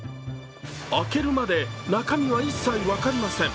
開けるまで、中身は一切分かりません。